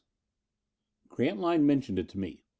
] Grantline mentioned it to me.